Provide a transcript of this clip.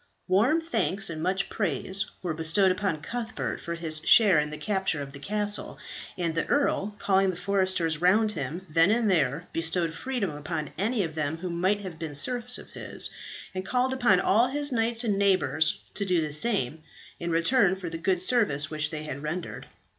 Warm thanks and much praise were bestowed upon Cuthbert for his share in the capture of the castle, and the earl, calling the foresters round him, then and there bestowed freedom upon any of them who might have been serfs of his, and called upon all his knights and neighbours to do the same, in return for the good service which they had rendered.